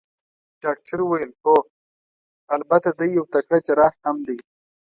ډاکټر وویل: هو، البته دی یو تکړه جراح هم دی.